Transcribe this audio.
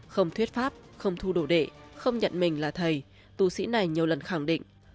không thuyết pháp không thu đồ đệ không nhận mình là thầy tù sĩ này nhiều lần khẳng định